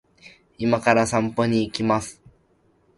今から散歩に行きます